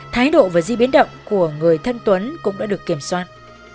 thái độ và di biến động của người thân tuấn cũng đã được kiểm soát